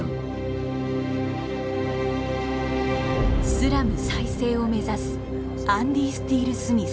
スラム再生を目指すアンディ・スティールスミス。